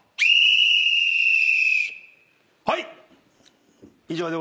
はい！